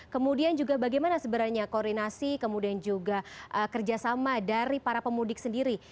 kemudian juga bagaimana sebenarnya koordinasi kemudian juga kerjasama dari para pemudik sendiri